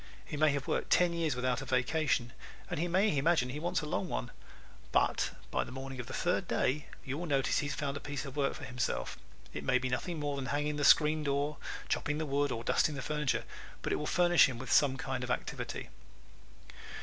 He may have worked ten years without a vacation and he may imagine he wants a long one, but by the morning of the third day you will notice he has found a piece of work for himself. It may be nothing more than hanging the screen door, chopping the wood or dusting the furniture, but it will furnish him with some kind of activity.